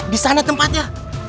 di sana tempatnya